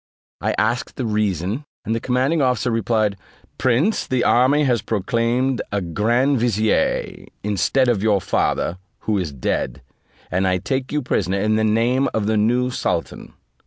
I asked the reason, and the commanding officer replied, "Prince, the army has proclaimed the grand vizier, instead of your father, who is dead, and I take you prisoner in the name of the new sultan."